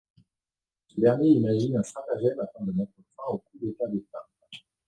Ce dernier imagine un stratagème afin de mettre fin au coup d'Etat des femmes.